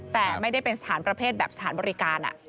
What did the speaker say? แต่ไม่ได้เป็นสถานประเภทแบบสถานบริการ